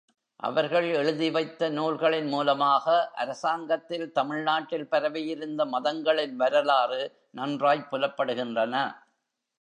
அவர்கள் எழுதி வைத்த நூல்களின் மூலமாக அரசாங்கத்தில் தமிழ்நாட்டில் பரவியிருந்த மதங்களின் வரலாறு நன்றாய்ப் புலப்படுகின்றன.